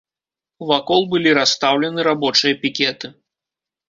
Вакол былі расстаўлены рабочыя пікеты.